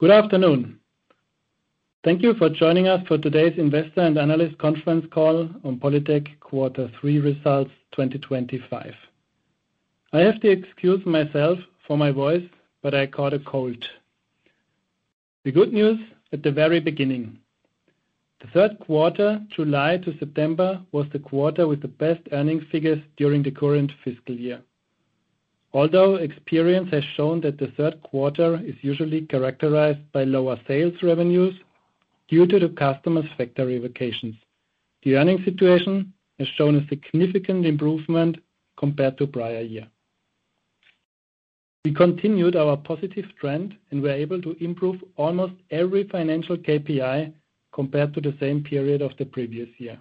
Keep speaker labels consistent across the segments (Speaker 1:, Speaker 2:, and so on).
Speaker 1: Good afternoon. Thank you for joining us for today's investor and analyst conference call on POLYTEC quarter three results 2025. I have to excuse myself for my voice, but I caught a cold. The good news at the very beginning: the third quarter, July to September, was the quarter with the best earnings figures during the current fiscal year. Although experience has shown that the third quarter is usually characterized by lower sales revenues due to the customers' factory vacations, the earnings situation has shown a significant improvement compared to the prior year. We continued our positive trend and were able to improve almost every financial KPI compared to the same period of the previous year.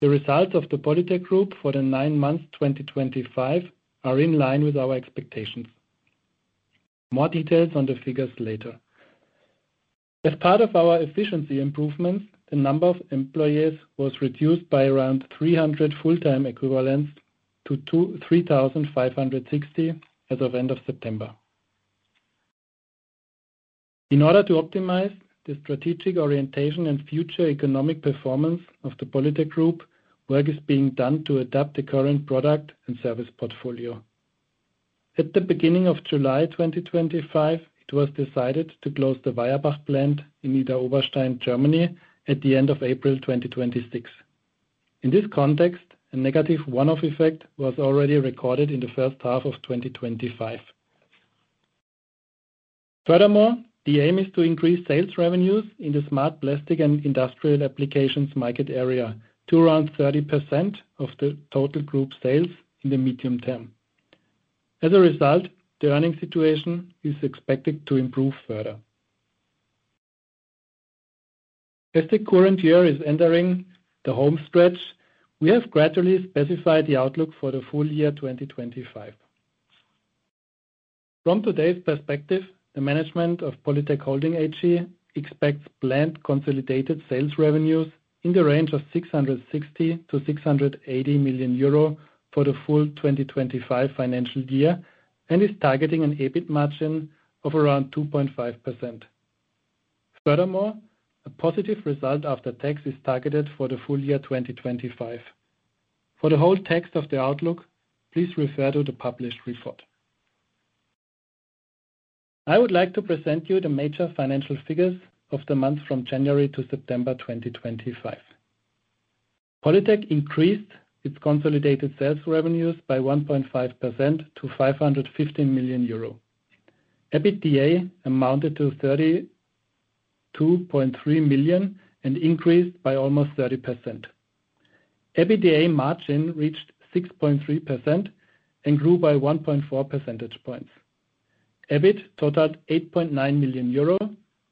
Speaker 1: The results of the POLYTEC Group for the nine months 2025 are in line with our expectations. More details on the figures later. As part of our efficiency improvements, the number of employees was reduced by around 300 full-time equivalents to 3,560 as of the end of September. In order to optimize the strategic orientation and future economic performance of the POLYTEC Group, work is being done to adapt the current product and service portfolio. At the beginning of July 2025, it was decided to close the Weierbach plant in Idar-Oberstein, Germany, at the end of April 2026. In this context, a negative one-off effect was already recorded in the first half of 2025. Furthermore, the aim is to increase sales revenues in the smart plastic and industrial applications market area to around 30% of the total group sales in the medium term. As a result, the earnings situation is expected to improve further. As the current year is entering the home stretch, we have gradually specified the outlook for the full year 2025. From today's perspective, the management of POLYTEC Holding AG expects planned consolidated sales revenues in the range of 660 million-680 million euro for the full 2025 financial year and is targeting an EBIT margin of around 2.5%. Furthermore, a positive result after tax is targeted for the full year 2025. For the whole text of the outlook, please refer to the published report. I would like to present you the major financial figures of the month from January to September 2025. POLYTEC increased its consolidated sales revenues by 1.5% to 515 million euro. EBITDA amounted to 32.3 million and increased by almost 30%. EBITDA margin reached 6.3% and grew by 1.4 percentage points. EBIT totaled 8.9 million euro,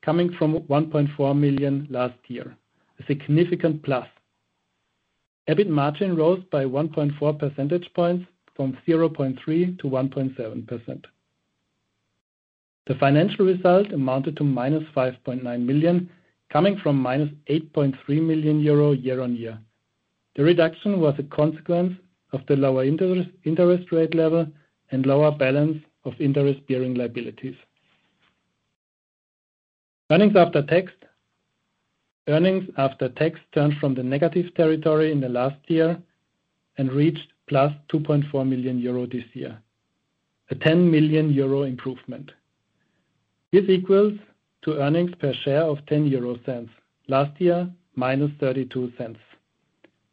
Speaker 1: coming from 1.4 million last year, a significant plus. EBIT margin rose by 1.4 percentage points from 0.3% to 1.7%. The financial result amounted to -5.9 million, coming from -8.3 million euro year on year. The reduction was a consequence of the lower interest rate level and lower balance of interest-bearing liabilities. Earnings after tax turned from the negative territory in the last year and reached +2.4 million euro this year, a 10 million euro improvement. This equals to earnings per share of 0.10. Last year, -0.32.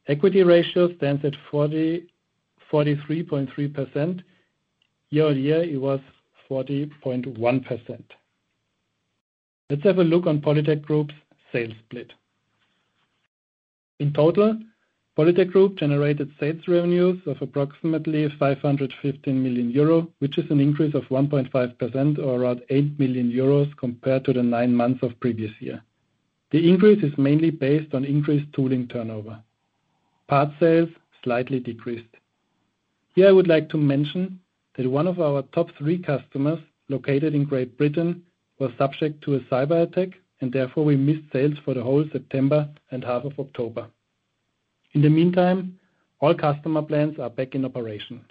Speaker 1: Equity ratio stands at 43.3%. Year on year, it was 40.1%. Let's have a look on POLYTEC Group's sales split. In total, POLYTEC Group generated sales revenues of approximately 515 million euro, which is an increase of 1.5% or around 8 million euros compared to the nine months of the previous year. The increase is mainly based on increased tooling turnover. Part sales slightly decreased. Here, I would like to mention that one of our top three customers located in Great Britain was subject to a cyber attack, and therefore we missed sales for the whole September and half of October. In the meantime, all customer plans are back in operation.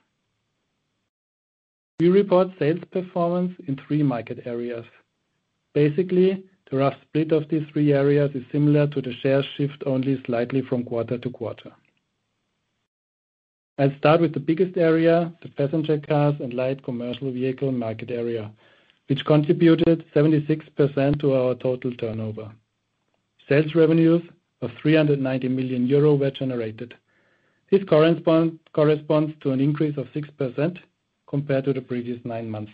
Speaker 1: We report sales performance in three market areas. Basically, the rough split of these three areas is similar to the share shift only slightly from quarter to quarter. I'll start with the biggest area, the passenger cars and light commercial vehicle market area, which contributed 76% to our total turnover. Sales revenues of 390 million euro were generated. This corresponds to an increase of 6% compared to the previous nine months.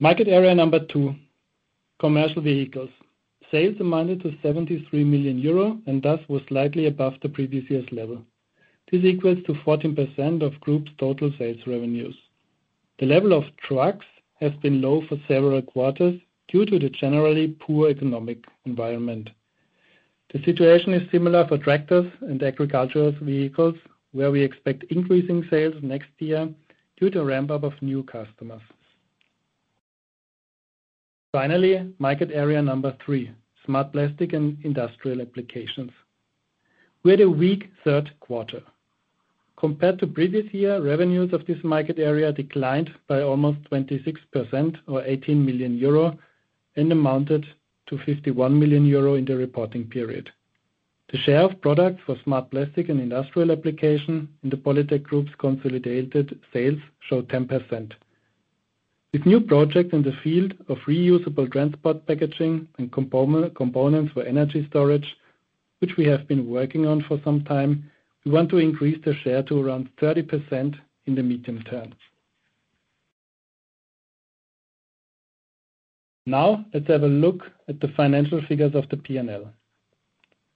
Speaker 1: Market area number two, commercial vehicles. Sales amounted to 73 million euro and thus was slightly above the previous year's level. This equals to 14% of the group's total sales revenues. The level of trucks has been low for several quarters due to the generally poor economic environment. The situation is similar for tractors and agricultural vehicles, where we expect increasing sales next year due to a ramp-up of new customers. Finally, market area number three, smart plastic and industrial applications. We had a weak third quarter. Compared to the previous year, revenues of this market area declined by almost 26% or 18 million euro and amounted to 51 million euro in the reporting period. The share of products for smart plastic and industrial application in the POLYTEC Group's consolidated sales showed 10%. With new projects in the field of reusable transport packaging and components for energy storage, which we have been working on for some time, we want to increase the share to around 30% in the medium term. Now, let's have a look at the financial figures of the P&L.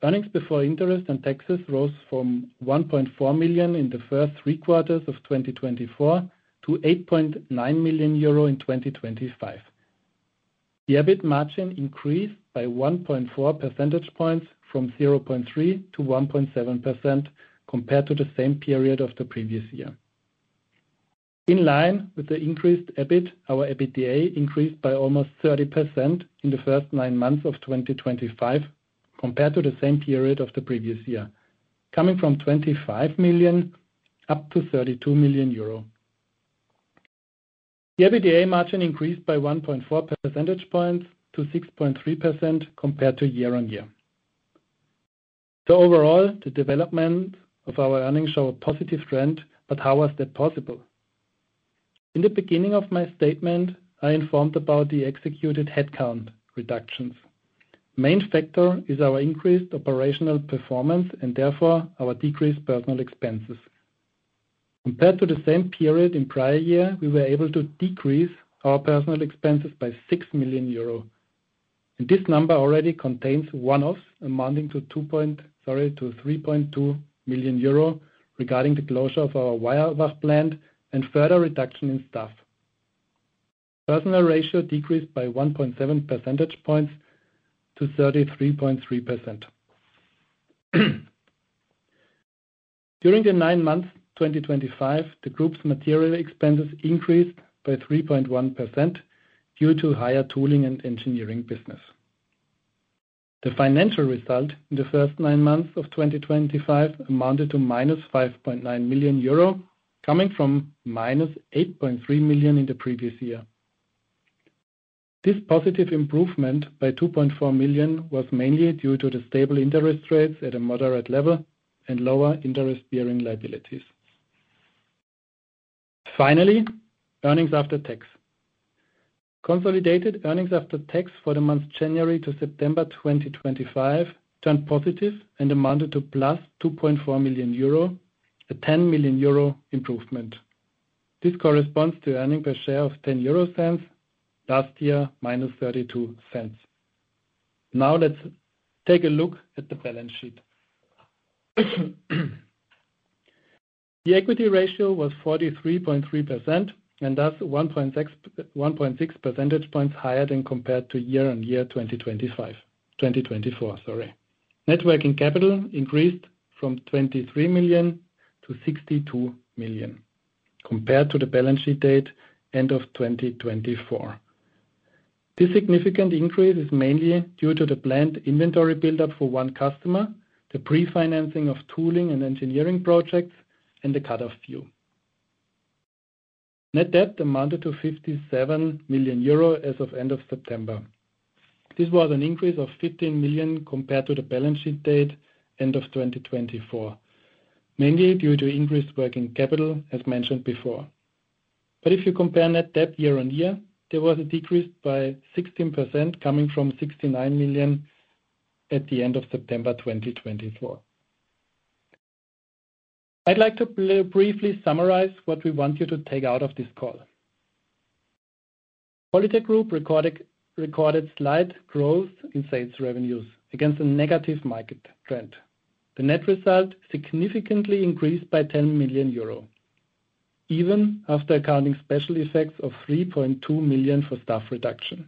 Speaker 1: Earnings before interest and taxes rose from 1.4 million in the first three quarters of 2024 to 8.9 million euro in 2025. The EBIT margin increased by 1.4 percentage points from 0.3% to 1.7% compared to the same period of the previous year. In line with the increased EBIT, our EBITDA increased by almost 30% in the first nine months of 2025 compared to the same period of the previous year, coming from 25 million up to 32 million euro. The EBITDA margin increased by 1.4 percentage points to 6.3% compared to year on year. Overall, the development of our earnings show a positive trend, but how was that possible? In the beginning of my statement, I informed about the executed headcount reductions. The main factor is our increased operational performance and therefore our decreased personnel expenses. Compared to the same period in the prior year, we were able to decrease our personnel expenses by 6 million euro. This number already contains one-offs amounting to 3.2 million euro regarding the closure of our Weierbach plant and further reduction in staff. Personnel ratio decreased by 1.7 percentage points to 33.3%. During the nine months 2025, the group's material expenses increased by 3.1% due to higher tooling and engineering business. The financial result in the first nine months of 2025 amounted to -5.9 million euro, coming from -8.3 million in the previous year. This positive improvement by 2.4 million was mainly due to the stable interest rates at a moderate level and lower interest-bearing liabilities. Finally, earnings after tax. Consolidated earnings after tax for the months January to September 2025 turned positive and amounted to +2.4 million euro, a 10 million euro improvement. This corresponds to earnings per share of 0.10 last year, -0.32. Now, let's take a look at the balance sheet. The equity ratio was 43.3% and thus 1.6 percentage points higher than compared to year on year 2024. Net working capital increased from 23 million to 62 million compared to the balance sheet date end of 2024. This significant increase is mainly due to the planned inventory build-up for one customer, the pre-financing of tooling and engineering projects, and the cut-off due. Net debt amounted to 57 million euro as of the end of September. This was an increase of 15 million compared to the balance sheet date end of 2024, mainly due to increased working capital, as mentioned before. If you compare net debt year on year, there was a decrease by 16% coming from 69 million at the end of September 2024. I'd like to briefly summarize what we want you to take out of this call. POLYTEC Group recorded slight growth in sales revenues against a negative market trend. The net result significantly increased by 10 million euro, even after accounting special effects of 3.2 million for staff reduction.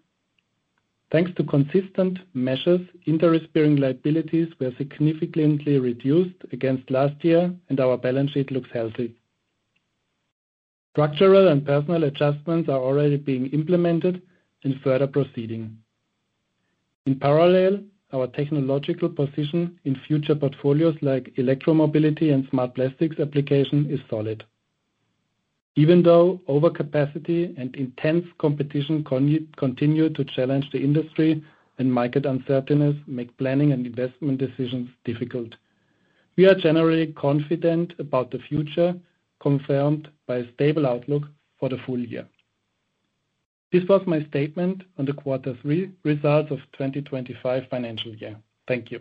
Speaker 1: Thanks to consistent measures, interest-bearing liabilities were significantly reduced against last year, and our balance sheet looks healthy. Structural and personal adjustments are already being implemented and further proceeding. In parallel, our technological position in future portfolios like electromobility and smart plastics application is solid. Even though overcapacity and intense competition continue to challenge the industry and market uncertainties make planning and investment decisions difficult, we are generally confident about the future confirmed by a stable outlook for the full year. This was my statement on the quarter three results of the 2025 financial year. Thank you.